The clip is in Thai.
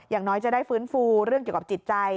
อย่างน้อยจะได้ฟื้นฟูเรื่องเกี่ยวกับจิตใจ